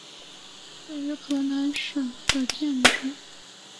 位于河南省的登封观星台和周公测景台是中国现存最古老的天文观测建筑。